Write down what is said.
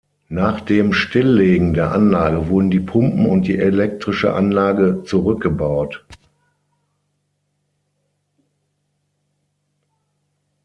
Nach dem Stilllegen der Anlage wurden die Pumpen und die elektrische Anlage zurückgebaut.